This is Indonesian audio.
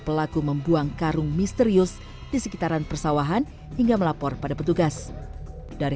pelaku membuang karung misterius di sekitaran persawahan hingga melapor pada petugas dari